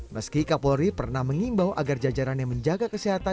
meski kapolri pernah mengimbau agar jajaran yang menjaga kesehatan